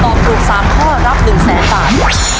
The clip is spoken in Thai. ตอบถูก๓ข้อรับ๑แสนบาท